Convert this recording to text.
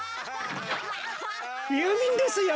ゆうびんですよ。